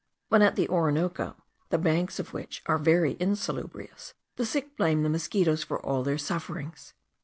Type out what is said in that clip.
But at the Orinoco, the banks of which are very insalubrious, the sick blame the mosquitos for all their sufferings.